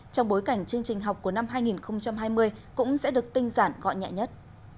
trong bối cảnh chương trình học của năm hai nghìn hai mươi cũng sẽ được tinh giản gọi nhẹ nhất